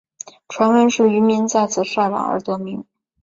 传闻是渔民在此晒网而得名。